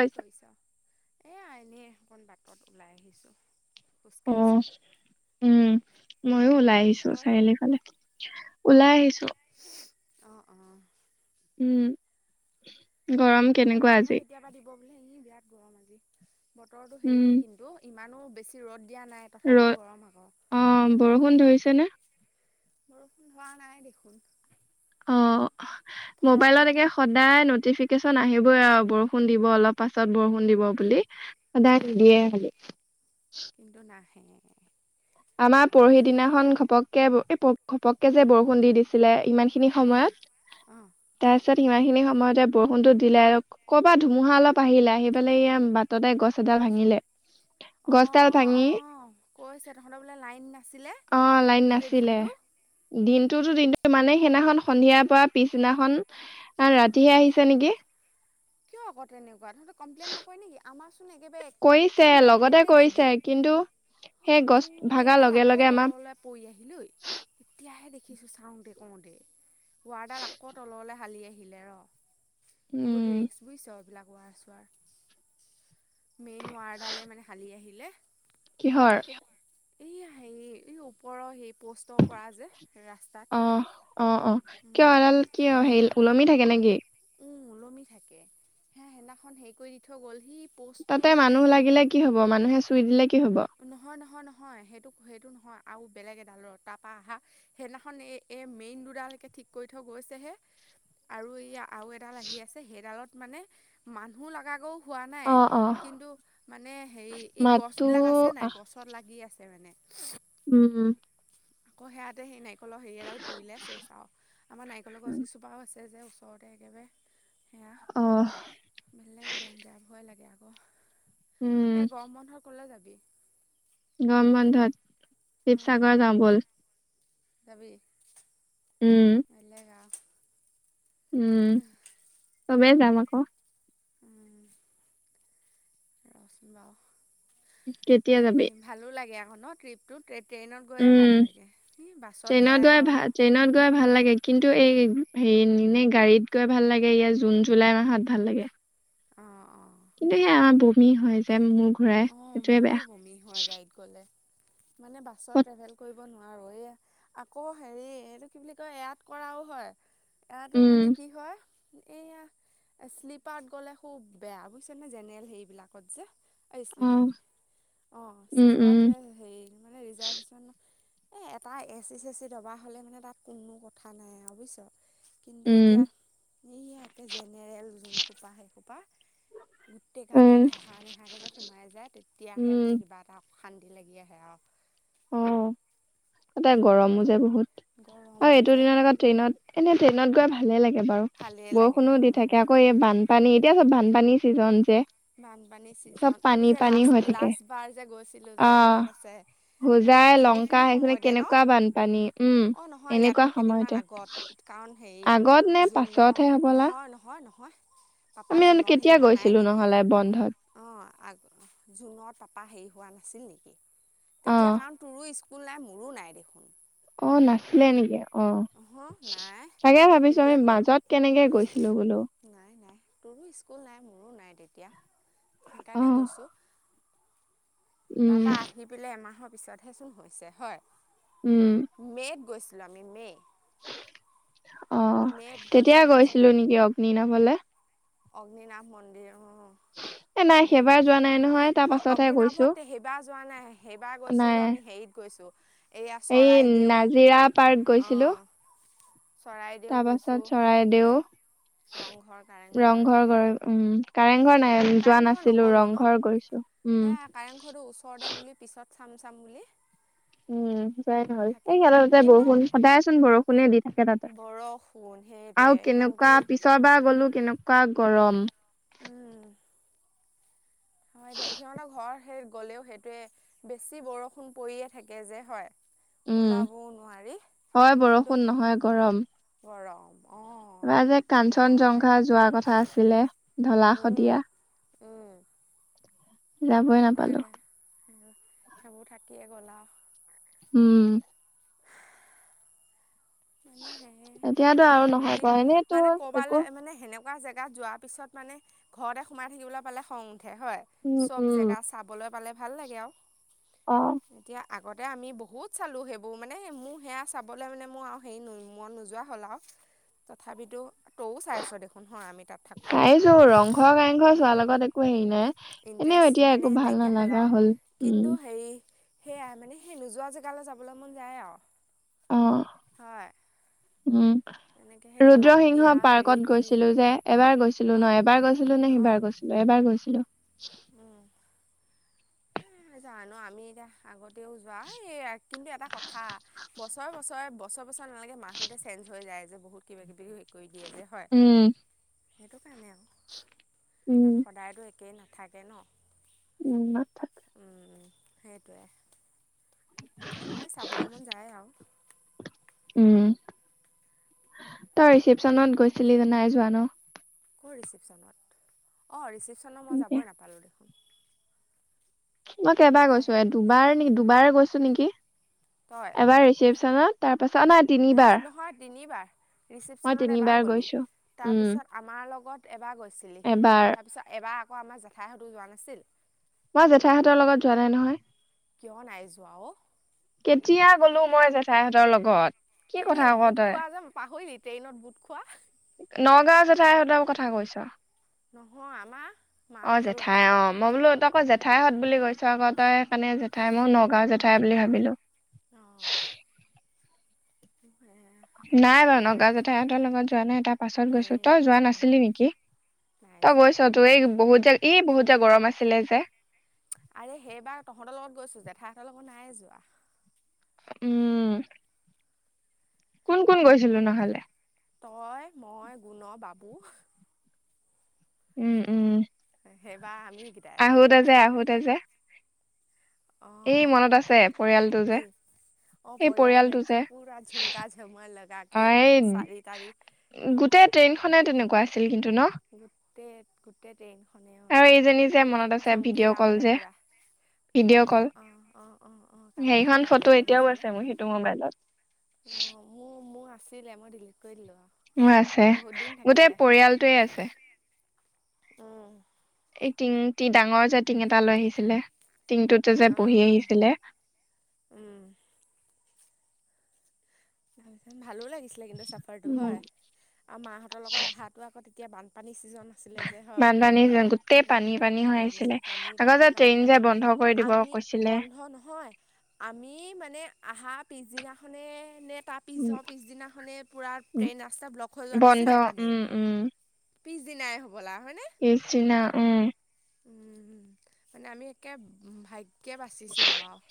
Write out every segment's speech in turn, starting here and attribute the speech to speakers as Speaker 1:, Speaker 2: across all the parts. Speaker 1: কি কৰিছা, এয়া এনে অকন বাটত ওলাই আহিছো।
Speaker 2: অ', উম। মইয়ো ওলাই আহিছো
Speaker 1: তই?
Speaker 2: চাৰিআলি ফালে, ওলাই
Speaker 1: অঁ
Speaker 2: আহিছো।
Speaker 1: [inaudible]
Speaker 2: উম, গৰম কেনেকুৱা আজি।
Speaker 1: এ আজি বিৰাট গৰম আজি বতৰটো হেৰি
Speaker 2: উম,
Speaker 1: কিন্তু ইমানো বেছি ৰ'দ দিয়া নাই
Speaker 2: ৰ'দ
Speaker 1: তথাপিতো গৰম আকৌ, অ'।
Speaker 2: বৰষুণ ধৰিছে নে?
Speaker 1: বৰষুণ হোৱা নাই দেখোন।
Speaker 2: অ' মোবাইলত
Speaker 1: ফৰকাল
Speaker 2: একে সদায় নটিফি কেচন আহিবই আৰু বৰষুণ দিব অলপ পাছত বৰষুণ দিব বুলি। সদায়
Speaker 1: অঁ
Speaker 2: নিদিয়ে খালি।
Speaker 1: কিন্তু নাহে।
Speaker 2: আমাৰ পৰহি দিনাখন ঘপককে এ প ঘপককে যে বৰষুণ দি দিছিলে ইমান খিনি
Speaker 1: অঁ
Speaker 2: সময়ত
Speaker 1: অঁ
Speaker 2: তাৰ তাৰপিছত সিমান খিনি সময়তে বৰষুণটো দিলে আৰু ক'ৰ পৰা ধুমুহা অলপ আহিলে আহি পেলাই এইয়া বাটতে গছ এ ডাল ভাঙিলে, গছ ডাল
Speaker 1: অঁ
Speaker 2: ভাঙি
Speaker 1: অঁ কৈছে তহঁতৰ লাইন নাছিলে
Speaker 2: অ লাইন
Speaker 1: গোটেই
Speaker 2: নাছিলে
Speaker 1: দিনটো।
Speaker 2: দিনটোতো দিনটো মানে সেইদিনাখন সন্ধিয়াৰ পৰা পিছদিনাখন
Speaker 1: অঁ
Speaker 2: ৰাতিহে আহিছে নেকি।
Speaker 1: কিয় আকৌ তেনেকু ৱা তহঁতৰ কমপ্লেইন নকৰে নেকি আমাৰ চোন একেবাৰে
Speaker 2: কৰিছে
Speaker 1: একদম লগতে দি
Speaker 2: কৰিছে
Speaker 1: দিয়ে।
Speaker 2: কিন্তু সেই গছ
Speaker 1: ও
Speaker 2: ভাগাৰ
Speaker 1: এডাল
Speaker 2: লগে
Speaker 1: আকৌ
Speaker 2: লগে আমাৰ
Speaker 1: তললৈ পৰি আহিলে ঔ এতিয়াহে দেখি ছো চাওঁতে কওঁতে ৱাৰডাল আকৌ তললে হালি আহিলে ৰ। বহুত
Speaker 2: উম।
Speaker 1: ৰিক্স বুজিছ এইবিলাক ৱাৰ চোৱাৰ মেইন ৱাৰডালে মানে হালি আহিলে।
Speaker 2: কিহৰ।
Speaker 1: এইয়া হেৰি এই ওপৰৰ সেই পোষ্টৰ পৰা যে ৰাস্তাত
Speaker 2: অ' অ'-অ' কিয়
Speaker 1: উম,
Speaker 2: এডাল কিয় হেৰি ওলমি থাকে নেকি।
Speaker 1: উম ওলমি থাকে, সেয়া সেদিনাখন হেৰি কৰি দি থৈ গ'ল হি।
Speaker 2: তাতে মানুহ লাগিলে কি হ'ব মানুহে চুই দিলে কি হব
Speaker 1: নহয়-নহয় নহ নহয় সেইটো-সেইটো নহয় আৰু বেলেগ এডালৰ তাৰ পৰা অহা সেইদিনাখন এই এ মেইন দুডাল কে ঠিক কৰি থৈ গৈছে হে। আৰু এইয়া আৰু এডাল আহি আছে সেইডালত মানে মানুহ লগা গৌ হোৱা নাই
Speaker 2: অ অ
Speaker 1: কিন্তু মানে হেৰি এই
Speaker 2: মাতো
Speaker 1: গছবিলাক আছে নাই
Speaker 2: আহ
Speaker 1: গছত লাগি আছ সেইটো কাৰনে।
Speaker 2: উম।
Speaker 1: আকৌ সেয়াতে সেই নাৰিকলৰ হেৰি এডাল পৰিলে শেষ আৰু আমাৰ নাৰিকলৰ গছ কিছোপাও আছে। যে ওচৰতে একেবাৰে সেয়া
Speaker 2: অ
Speaker 1: বেলেগ ডেঞ্জাৰ ভয় লাগে আৰু।
Speaker 2: উম
Speaker 1: তই গৰম বন্ধত কলৈ যাবি?
Speaker 2: গৰম বন্ধত
Speaker 1: হুম,
Speaker 2: শিৱসাগৰ যাওঁ বল।
Speaker 1: যাবি?
Speaker 2: উম উম চবে যাম আকৌ।
Speaker 1: উম ৰ'চোন বাৰু।
Speaker 2: কেতিয়া যাবি?
Speaker 1: অ ন ট্ৰিপটো ট্ৰেইনত গৈয়ে
Speaker 2: উম
Speaker 1: ভাল লাগে ই বাছত
Speaker 2: ট্ৰেইনত
Speaker 1: যায়
Speaker 2: গৈ
Speaker 1: আৰু ন।
Speaker 2: ভাল ট্ৰেইনত গৈ ভাল লাগে কিন্তু এই হেৰি এনে গাড়ীত গৈ ভাল লাগে ইয়াৰ জুন জুলাই মাহত ভাল লাগে।
Speaker 1: অঁ অঁ
Speaker 2: কিন্তু সেই আমাৰ বমি হয় যে মোৰ ঘূৰাই
Speaker 1: অঁ
Speaker 2: সেইটোৱে
Speaker 1: মোৰো বমি হয়
Speaker 2: বেয়া।
Speaker 1: গাড়ীত গ'লে মানে বাছত
Speaker 2: পত-
Speaker 1: ট্ৰেভেল কৰিব নোৱা ৰো এই আকৌ হেৰি এইটো কি বুলি কয় ইয়াত কৰাও হয়। এয়াতো মানে
Speaker 2: উম
Speaker 1: কি হয়? এয়া শ্লিপাৰত গলে খুব বেয়া বুজিছা নে জেনেৰেল হেবিলাকত যে। এই
Speaker 2: অ
Speaker 1: শ্লিপাৰ অঁ
Speaker 2: উম
Speaker 1: শ্লীপাৰ
Speaker 2: উম
Speaker 1: হেৰি মানে ৰিজাৰ্ভেশ্যন- এ এটা এচি চেচি দবা হ'লে মানে তাত কোনো কথা নাই আৰু বুজিছোঁ। কিন্তু
Speaker 2: উম
Speaker 1: এতিয়া সাকে জেনেৰেল যোন খোপা সেই খোপা। গোটেই কাল যে
Speaker 2: উম
Speaker 1: নেহাকে যে সোমাই যায় তেতিয়াহে মানে
Speaker 2: উম
Speaker 1: কিবা এটা শান্তি লাগি আহে আৰু।
Speaker 2: অ ততে গৰমো যে বহুত। অ
Speaker 1: গৰমো
Speaker 2: এইটো
Speaker 1: যে
Speaker 2: দিনৰ আগত ট্ৰেইনত এনে ট্ৰেইনত গৈ ভালে লাগে। গে বাৰু
Speaker 1: ভালেই লাগে
Speaker 2: বৰষুণো দি
Speaker 1: উম
Speaker 2: থাকে আকৌ এই বানপানী এতিয়া চব বানপানী ছিজন যে।
Speaker 1: বানপানী
Speaker 2: চব
Speaker 1: চিজন আমি
Speaker 2: পানী
Speaker 1: যে
Speaker 2: পানী
Speaker 1: লাষ্ট
Speaker 2: হৈ থাকে
Speaker 1: লাষ্ট বাৰ যে গৈছিলোঁ
Speaker 2: অ
Speaker 1: যে মনত আছে।
Speaker 2: হোজাই
Speaker 1: এইখিনি
Speaker 2: লংকা
Speaker 1: এইখিনি
Speaker 2: সেইখেনি
Speaker 1: সময়তে ন
Speaker 2: কেনেকুৱা বানপানী উম
Speaker 1: অ নহয়
Speaker 2: এনেকুৱা
Speaker 1: ইয়াতকৈ কেইদিনমান
Speaker 2: সময়তে।
Speaker 1: আগত কাৰণ হেৰি
Speaker 2: আগত নে
Speaker 1: জুনৰ
Speaker 2: পাছতহে হবলা।
Speaker 1: নহয় নহয় নহয় পাপা
Speaker 2: আমি জানো
Speaker 1: জুনত হেৰি
Speaker 2: কেতিয়া
Speaker 1: হোৱা নাই
Speaker 2: গৈছিলো
Speaker 1: নেকি?
Speaker 2: নহ'লে বন্ধত
Speaker 1: জুনৰ তাপা হেৰি হোৱা নাছিল নেকি
Speaker 2: অ
Speaker 1: তেতিয়া কাৰণ তোৰো স্কুল নাই মোৰো নাই দেখোন।
Speaker 2: অ নাছিলে নেকি? অ
Speaker 1: অহ নাই
Speaker 2: চাগে
Speaker 1: তেতিয়া
Speaker 2: ভাবিছোঁ আমি
Speaker 1: পিহুৱে সৰু
Speaker 2: মাজত কেনেকে গৈছিলোঁ বোলো।
Speaker 1: নাই নাই তোৰো স্কুল নাই মোৰো নাই তেতিয়া
Speaker 2: অ
Speaker 1: সেইকাৰণে গৈছোঁ।
Speaker 2: উম
Speaker 1: তাৰপা আহি পেলে এমাহৰ পিছতহেচোন হৈছে হয়,
Speaker 2: উম
Speaker 1: মে'ত গৈছে জামি মে'।
Speaker 2: অ
Speaker 1: মে'ত
Speaker 2: তেতিয়াই
Speaker 1: তাৰপিছত
Speaker 2: গৈছিলোঁ নেকি অগ্নিনাভলে।
Speaker 1: অগ্নিনাভ মন্দিৰ।
Speaker 2: [inaudible] এ নাই সেইবাৰ
Speaker 1: অগ্নিনাভ
Speaker 2: যোৱা নাই নহয় তাৰ
Speaker 1: হয়
Speaker 2: পাছতহে গৈছোঁ,
Speaker 1: অগ্নিনাভত সেইবাৰ যোৱা নাই সেইবাৰ গৈছিলোঁ
Speaker 2: নাই।
Speaker 1: আমি হেৰিত গৈছোঁ এয়া
Speaker 2: এই
Speaker 1: চৰাইদেউ
Speaker 2: নাজিৰা পাৰ্ক গৈছিলোঁ।
Speaker 1: অঁ চৰাইদেউ গৈছো,
Speaker 2: চৰাইদেউ
Speaker 1: ৰংঘৰ, কাৰেং ঘৰ
Speaker 2: ঘৰ ঘৰ উম কাৰেং ঘৰ নাই যোৱা
Speaker 1: কাৰেংঘৰ
Speaker 2: নাছিলো
Speaker 1: নগ'লোঁ ন
Speaker 2: ৰংঘৰ গৈছো উম।
Speaker 1: সেয়া কাৰেংঘৰটো ওচৰতে বুলি পিছত চাম চাম বুলি।
Speaker 2: উম যাই নহ'ল
Speaker 1: থাকি
Speaker 2: এই
Speaker 1: গ'ল
Speaker 2: খেল তাতে
Speaker 1: কিন্তু
Speaker 2: বৰষুণ সদায়চোন বৰষুণে দি থাকে তাতে।
Speaker 1: বৰষুণ
Speaker 2: আৰু
Speaker 1: সেইটোৱে কাৰণ
Speaker 2: কেনেকুৱা
Speaker 1: কি
Speaker 2: পিছৰবাৰ গলো কেনেকুৱা গৰম।
Speaker 1: উম হয় দে সিহঁতক ঘৰ সেই গ'লেও সেইটোৱে বেছি বৰষুণ পৰিয়ে থাকে যে হয়।
Speaker 2: উম
Speaker 1: ওলাবও নোৱাৰি
Speaker 2: হয়
Speaker 1: কিন্তু
Speaker 2: বৰষুণ নহয় গৰম।
Speaker 1: গৰম অঁ
Speaker 2: এইবাৰ যে কাঞ্চন
Speaker 1: বাই
Speaker 2: জংঘা যোৱাৰ কথা আছিলে
Speaker 1: উম
Speaker 2: ঢলা-শদিয়া।
Speaker 1: উম।
Speaker 2: যাবই নাপালোঁ।
Speaker 1: যাব থাকেয়েই গ'ল আৰু।
Speaker 2: উম।
Speaker 1: মানে সে
Speaker 2: এতিয়াতো আৰু নহয়
Speaker 1: ফুৰি
Speaker 2: বাৰু এনেইতো
Speaker 1: মানে
Speaker 2: একো
Speaker 1: কৰবালৈ মানে সেনে। এনেকুৱা জেগাত যোৱাৰ পিছত মানে ঘৰতে সোমাই থাকিবলৈ পালে খং। উঠে হয়
Speaker 2: উম
Speaker 1: চব
Speaker 2: উম
Speaker 1: জেগা চাবলৈ পালে ভাল লাগে আৰু।
Speaker 2: অহ।
Speaker 1: এতিয়া আগতে আমি বহুত চালোঁ সেইবোৰ মানে মোৰ সেয়া চাবলৈ মানে মোৰ আওঁ। হেৰি মন নোযোৱা হ'ল আৰু তথাপিতো। তয়ো চাইছ দেখোন হয় আমি তাত থাকোঁতে
Speaker 2: চাইছোঁ ৰং ঘৰ কাৰেং ঘৰ চোৱাৰ লগত একো হেৰি নাই। এনেও
Speaker 1: ড্ৰেছ
Speaker 2: এতিয়া একো
Speaker 1: মানে
Speaker 2: ভাল
Speaker 1: নাইকিয়া হলা
Speaker 2: নালাগা
Speaker 1: আও
Speaker 2: হ'ল উম
Speaker 1: কিন্তু হেই। সেয়াই মানে সেই নোযোৱা জেগালৈ যাবলৈ মন যায় আৰু।
Speaker 2: অ
Speaker 1: হয়
Speaker 2: উম।
Speaker 1: এনেকৈ সেই ঢলা শদিয়া
Speaker 2: ৰুদ্ৰসিংহ
Speaker 1: হেৰি
Speaker 2: পাৰ্কত
Speaker 1: চেৰি
Speaker 2: গৈছিলোঁ যে এবাৰ গৈছিলোঁ
Speaker 1: অঁ
Speaker 2: নহ এবাৰ গৈছিলোঁ নে
Speaker 1: অঁ
Speaker 2: সিবাৰ গৈছিলোঁ এবাৰ গৈছিলোঁ। [inaudible] [inaudible]
Speaker 1: জানো আমি এতিয়া আগতেও যোৱা এই কিন্তু এটা কথা বছৰে বছৰে বছৰে। [unintelligible] মাহটোতে চেন্স হৈ যায় যে বহুত কিবা কিবি হেৰি কৰি। দিয়ে যে হয়
Speaker 2: উম
Speaker 1: সেইটো কাৰণে আৰু কাৰণ
Speaker 2: উম
Speaker 1: সদায়তো। একেই নাথাকে নহ।
Speaker 2: উম।
Speaker 1: উম সেইটোৱে সেইটো কাৰণে চাবলৈ মন যায় আৰু।
Speaker 2: উম তই ৰিচেপচনত গৈছিলি জানো নাই যোৱা নহ।
Speaker 1: ক'ৰ ৰিচিপশ্যনত অ' ৰিচিপশ্যনত মই
Speaker 2: এতিয়া
Speaker 1: যাবই নাপালোঁ।
Speaker 2: মই কেইবাৰ
Speaker 1: তাই
Speaker 2: গৈছোঁ এ দুবাৰ নি দুবাৰ গৈছোঁ নেকি এবাৰ ৰিচিপশ্যনত।
Speaker 1: এ নহয় তিনিবাৰ
Speaker 2: মই
Speaker 1: ৰিচিপশ্যনত এবাৰ
Speaker 2: তিনিবাৰ
Speaker 1: গ'লি
Speaker 2: গৈছো উম
Speaker 1: তাৰপিছত আমাৰ লগত। এবাৰ গৈছিলি
Speaker 2: এবাৰ
Speaker 1: তাৰ পিছত এবাৰ আকৌ আমাৰ জেঠাইহত যোৱা নাছিল।
Speaker 2: মই জেঠাইহঁতৰ লগত যোৱা নাই নহয়।
Speaker 1: কিয় নাই যোৱা অ।
Speaker 2: কেতিয়া গ'লোঁ মই জেঠাইহঁতৰ লগত। কি কথা
Speaker 1: কেলে
Speaker 2: ক
Speaker 1: বুট
Speaker 2: তই
Speaker 1: খোৱা যে পাহৰিল ট্ৰেইনত বুট খোৱা।
Speaker 2: নগাঁও জেঠাইহঁতৰ কথা কৈছ।
Speaker 1: নহয় আমাৰ
Speaker 2: অ
Speaker 1: মাহঁতৰ লগত
Speaker 2: জেঠাই অ মই বোলো তই আকৌ জেঠাই। জেঠাইহঁত বুলি কৈছ আকো তই কাৰণে জেঠাই মই নগাঁও জেঠাই বুলি ভাবিলোঁ।
Speaker 1: অঁ আমাৰ
Speaker 2: নাই বাৰু
Speaker 1: মাৰ
Speaker 2: নগাঁও
Speaker 1: কথা
Speaker 2: জেথাইহঁতৰ লগত যোৱা নাই তাৰ পাছত গৈছোঁ
Speaker 1: এই
Speaker 2: তই যোৱা
Speaker 1: নাই
Speaker 2: নাছিলি নেকি।
Speaker 1: নাই
Speaker 2: তই
Speaker 1: যোৱা
Speaker 2: গৈছ তোৰ এই বহুত এই বহুত যে গৰম আছিলে যে।
Speaker 1: আৰে সেইবাৰ তহঁতৰ লগত গৈছোঁ জেঠাইাহঁতৰ লগত নাই যোৱা।
Speaker 2: উম। কোন কোন গৈছিলোঁ নহলে।
Speaker 1: তই মই গুণ বাবু।
Speaker 2: উম উম।
Speaker 1: সেইবাৰ। আমিকেইটাই
Speaker 2: আহোত যে আহোতে যে। এই
Speaker 1: অঁ
Speaker 2: মনত আছে পৰিয়ালটো যে।
Speaker 1: অ
Speaker 2: সেই
Speaker 1: পৰিয়ালটো
Speaker 2: যে
Speaker 1: একদম পুৰা ঝুমকা ঝম লগ
Speaker 2: অ
Speaker 1: কে
Speaker 2: এই
Speaker 1: একদম চাৰি তাৰি।
Speaker 2: গোটেই ট্ৰেইনখনে তেনেকুৱা আছিল কিন্তু নহ।
Speaker 1: গোটেই গোটেই। ট্ৰেইনখনে অঁ
Speaker 2: আৰু এইজনী যে মনত আছে ভিডিঅ'
Speaker 1: চমকিলা
Speaker 2: কল
Speaker 1: মানে
Speaker 2: যে।
Speaker 1: পূৰা ভিডিঅ' কল অ', অ', অ', কাৰবাৰ লগ
Speaker 2: সেইখন
Speaker 1: যে
Speaker 2: ফটো
Speaker 1: পাতি-পাতি
Speaker 2: এতিয়াও
Speaker 1: আহিছিলে।
Speaker 2: আছে মোৰ সেইটো মোবাইলত
Speaker 1: অঁ মোৰ মোৰ
Speaker 2: [inaudible]
Speaker 1: আছিলে মই ডিলিট কৰি দিলোঁ আৰু
Speaker 2: মোৰ আছে।
Speaker 1: বহুত দিন থাকিলে
Speaker 2: গোটেই পৰিয়ালটোৱে আছে।
Speaker 1: উম।
Speaker 2: এই টিং টি ডাঙৰ যে টিং এটা লৈ আহিছিলে টিংটোতে যে
Speaker 1: অঁ
Speaker 2: বহি
Speaker 1: অঁ
Speaker 2: আহিছিলে।
Speaker 1: ভালো লাগিছিলে কিন্তু চাফাৰটো।
Speaker 2: উম
Speaker 1: হয়, আৰু মাহঁতৰ লগত আহাটো আকৌ তেতিয়া বানপা ডিচিজন আাছিলে যে। হয়,
Speaker 2: বানপানী গোটেই
Speaker 1: উম
Speaker 2: পানী
Speaker 1: বহুত
Speaker 2: পানী
Speaker 1: ভাল
Speaker 2: হৈ আহিছিলে
Speaker 1: লাগিছিলে। পানী
Speaker 2: আকৌ
Speaker 1: পানী
Speaker 2: যে
Speaker 1: পানী
Speaker 2: ট্ৰেইন যে
Speaker 1: পানী।
Speaker 2: বন্ধ কৰি দিব
Speaker 1: আমি
Speaker 2: কৈছিলে
Speaker 1: বন্ধ নহয় আমি মানে আহা পিছদিনাখনে নে তাৰ পিছ
Speaker 2: উম
Speaker 1: হওঁ পিছদিনাখনে পুৰা ট্ৰেইন ৰাস্তা ব্লক হৈ যোৱা
Speaker 2: বন্ধ
Speaker 1: নাছিলে পানীয়ে।
Speaker 2: উম
Speaker 1: পিছ দিনাই।
Speaker 2: এইচ ন উম।
Speaker 1: উম, মানে আমি একে ভাগ কে বাচিছিলোঁ আৰু।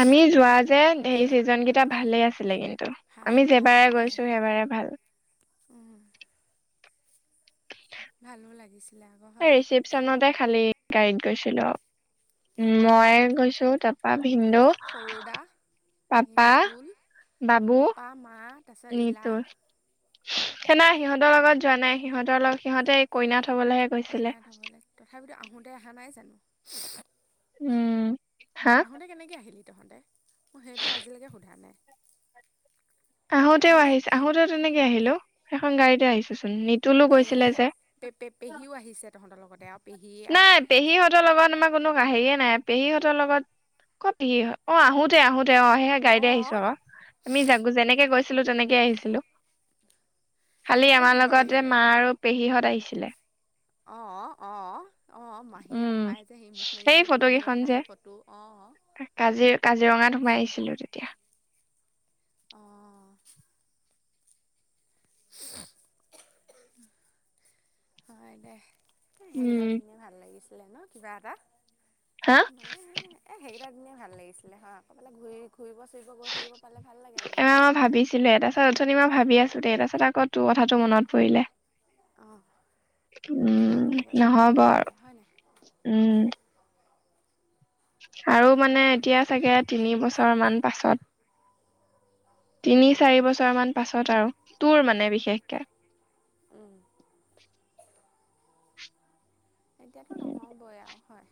Speaker 2: আমি যোৱা যে সেই ছিজনকেইটা ভালেই আছিলে কিন্তু। আমি
Speaker 1: ভাল ভাল
Speaker 2: যেবাৰে
Speaker 1: ভাল
Speaker 2: গৈছো সেইবাৰে ভাল।
Speaker 1: উম, ভালো লাগিছে।
Speaker 2: এই ৰিচিপচনতে খালি গাড়ীত গৈছিলোঁ। উম, মই
Speaker 1: অঁ
Speaker 2: গৈছো তাৰপা ভিনদউ।
Speaker 1: সৰু দা
Speaker 2: পাপা,
Speaker 1: নিতুল
Speaker 2: বাবু।
Speaker 1: পাপা মা তাৰপিছত ইলা
Speaker 2: সেইতোৰ। সেদিনা সিহঁতৰ লগত যোৱা নাই। সিহঁতৰ লগত সিহঁতে কইনা থ
Speaker 1: কইন হ'বলৈ। তথাপিতো আহোঁতে অহা নাই জানো?
Speaker 2: উম হা
Speaker 1: আহোঁতে কেনেকে আহিলি তহঁতে? মোৰ সেইটো আজিলেকে সোধা নাই।
Speaker 2: আহোতেও
Speaker 1: আহোঁতে
Speaker 2: আহিছে আহোতেও তেনেকে আহিলো। সেইখন গাড়ীতে আহিছোচোন। নি
Speaker 1: হেৰি পে পে পেহীও আহিছে তহঁতৰ লগতে আ
Speaker 2: নাই পেহীহঁতৰ লগত আমাৰ কোনো হেৰিয়ে নাই। পেহীহঁতৰ লগত ক পেহীহঁত, অ', আহোতে আহো দে অ' সেই গাড়ীতে
Speaker 1: অঁ
Speaker 2: আহিছো আকৌ। আমি যেনেকে গৈছিলো তেনেকে আহিছিলোঁ। খালি
Speaker 1: সিহঁতে
Speaker 2: আমাৰ
Speaker 1: কিহঁত
Speaker 2: লগতে
Speaker 1: আহিলে
Speaker 2: মা আৰু পেহীহঁত আহিছিলে।
Speaker 1: অ', অ'। অ',
Speaker 2: উম
Speaker 1: মাহীয়ে-মোহাই যে সেই মুখ মেলি-মেলি
Speaker 2: ফটো
Speaker 1: টোপনি গৈ
Speaker 2: কেইখন
Speaker 1: থাকা
Speaker 2: যে
Speaker 1: সেই ফটো অ'।
Speaker 2: সোমাইিছিলো তেতিয়া।
Speaker 1: অঁ হয় দে। এ, সেইকেইটা
Speaker 2: উম।
Speaker 1: দিনে ভাল লাগিছিলে ন কিবা এটা।
Speaker 2: হা
Speaker 1: মানে এ সেই কেনে ভাল লাগিছিলে। হ, কৰবালে ঘূৰি ফুৰিব-চুৰিব গৈ থাকিব পালে ভাল লাগে আৰু মনটো।
Speaker 2: এবাৰ টুডে। তাৰপাছত আকৌ তোৰ কথাটো মনত পৰিলে।
Speaker 1: অঁ
Speaker 2: উম,
Speaker 1: কেনেকৈ যাবি
Speaker 2: নহ'ব
Speaker 1: ভাবিলি
Speaker 2: আৰু।
Speaker 1: হয় নাই
Speaker 2: উম। আৰু মানে এতিয়া চাগে তিনি বছৰ মান পাছত। তিনি-চাৰি বছৰমান পাছত আৰু। তোৰ মানে বিশেষকে। [inaudible]
Speaker 1: এতিয়াতো নহ'বই আৰু। হয়।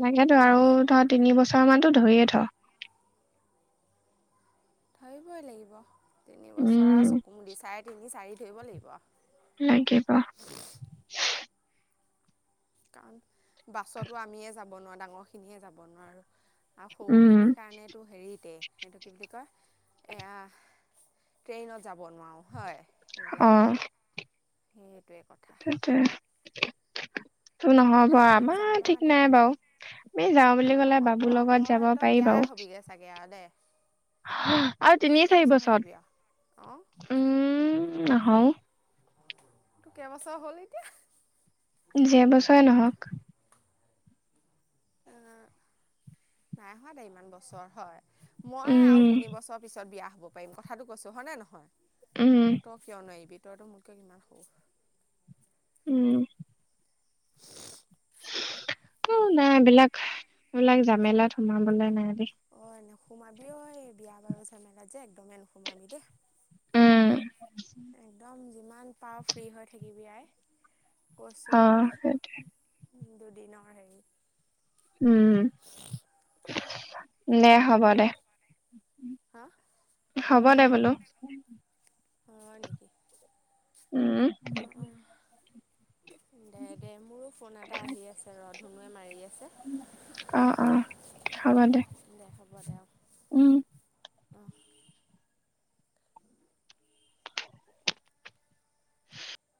Speaker 2: লাগেতো। আৰু ধৰ তিনি বছৰ মানতো ধৰিয়ে থ।
Speaker 1: ধৰিবই লাগিব। তিনিবছৰ আৰু
Speaker 2: উম
Speaker 1: চকু মুদি চাৰে তিনি-চাৰি ধৰিব লাগিব।
Speaker 2: লাগিব
Speaker 1: কাৰণ বাছতো আমিয়ে যাব নোৱাৰোঁ। ডাঙৰ খিনিয়ে যাব নোৱাৰোঁ। আৰু
Speaker 2: উম।
Speaker 1: সৰুখিনিৰ কাৰণেতো হেৰিতে। সেইটো কি বুলি কয় এয়া ট্ৰেইনত যাব নোৱাৰোঁ। হয়। সেইবিলাক
Speaker 2: অ'।
Speaker 1: সেইটোৱে ক
Speaker 2: তাকে নহব,
Speaker 1: যাম
Speaker 2: আমাৰ
Speaker 1: আৰু
Speaker 2: ঠিক
Speaker 1: দে
Speaker 2: নাই বাৰু। আমি যাওঁ বুলি
Speaker 1: কিয়
Speaker 2: ক'লে
Speaker 1: নহব
Speaker 2: বাবুৰ
Speaker 1: বোও,
Speaker 2: লগত
Speaker 1: তই,
Speaker 2: যাব
Speaker 1: তই
Speaker 2: পাৰি
Speaker 1: বিয়াই
Speaker 2: বাৰু
Speaker 1: হবিগে চাগে আৰু দে।
Speaker 2: আৰু তিনি চাৰি
Speaker 1: কেইবছৰ থাকিবি আৰু অঁ
Speaker 2: বছৰত, উম নহও।
Speaker 1: তো কেইবাছৰ হ'ল এতিয়া?
Speaker 2: যে বছৰে নহওক
Speaker 1: উ'ম, নাই হোৱা দে ইমান বছৰ হয়। মই আৰু
Speaker 2: উম
Speaker 1: তিন বছৰ পিছত বিয়া হব পাৰিম, কথাটো কৈছো, হয়নে নহয়।
Speaker 2: উম
Speaker 1: তই তই কিয় নোৱাৰিবি, তইতো মোতকে কিমান সুৰু।
Speaker 2: উম। অ' নাই এইবলাক, এইবিলাক জামেলাত সোমাবলে নাই
Speaker 1: ম নো সোমাবি এই বিয়া বাৰু চ মেলাত যে একদমেই নোসোমাবি দেই
Speaker 2: উম
Speaker 1: [unintelligible] একদম যিমান পাও ফ্ৰী হৈ থাকিবি আই। কৈছোঁ নহয়
Speaker 2: অ' সেইটোৱে।
Speaker 1: দুদিনৰ হেৰি
Speaker 2: উম দে, হব দে।
Speaker 1: হা?
Speaker 2: হ'ব দে বোলো।
Speaker 1: হয় নেকি,
Speaker 2: উম
Speaker 1: অ'। দে দে মোৰো ফোন এটা আহি আছে ৰ, ধনুৱে মাৰি আছে।
Speaker 2: অ'-অ হব দে,
Speaker 1: অঁ হ'ব দে
Speaker 2: উম।
Speaker 1: অঁ